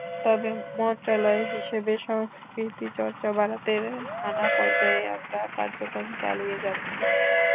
তবে মন্ত্রণালয় হিসেবে সংস্কৃতিচর্চা বাড়াতে নানা পর্যায়ে আমরা কার্যক্রম চালিয়ে যাচ্ছি।